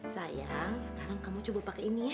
sayang sekarang kamu coba pakai ini ya